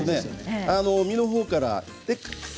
身のほうからです。